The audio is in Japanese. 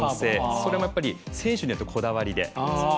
それも選手によってこだわりで。